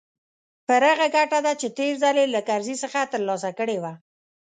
پر هغه ګټه ده چې تېر ځل يې له کرزي څخه ترلاسه کړې وه.